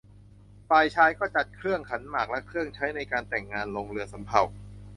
ฝ่ายชายก็จัดเครื่องขันหมากและเครื่องใช้ในการแต่งงานลงเรือสำเภา